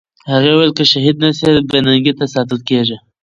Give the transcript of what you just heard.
هغې وویل چې که شهید نه سي، بې ننګۍ ته ساتل کېږي.